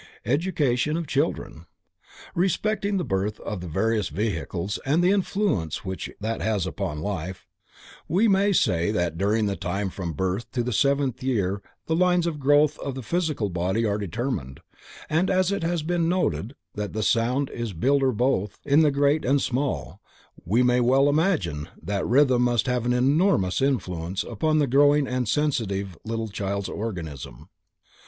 Education of Children. Respecting the birth of the various vehicles and the influence which that has upon life, we may say that during the time from birth to the seventh year the lines of growth of the physical body are determined, and as it has been noted that sound is builder both in the great and small, we may well imagine that rhythm must have an enormous influence upon the growing and sensitive little child's organism.